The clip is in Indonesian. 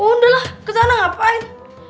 oh udah lah ke sana ngapain